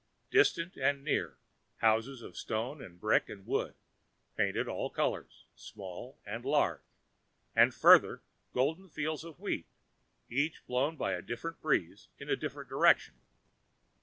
Distant and near, houses of stone and brick and wood, painted all colors, small, large; and further, golden fields of wheat, each blown by a different breeze in a different direction.